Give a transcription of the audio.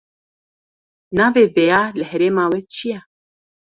Navê vêya li herêma we çi ye?